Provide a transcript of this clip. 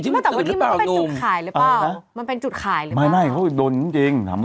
เออไม่หรอกมันเป็นจุดขายหรือเปล่า